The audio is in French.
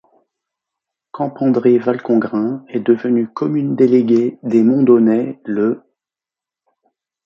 Campandré-Valcongrain est devenue commune déléguée des Monts d’Aunay le .